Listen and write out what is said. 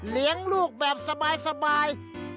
เลี้ยงลูกแบบสบาย